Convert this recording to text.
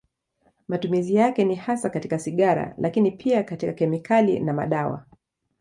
Matumizi yake ni hasa katika sigara, lakini pia katika kemikali na madawa.